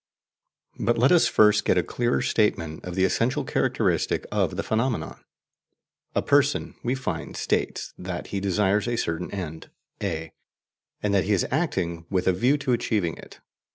But let us first get a clearer statement of the essential characteristic of the phenomena. A person, we find, states that he desires a certain end A, and that he is acting with a view to achieving it.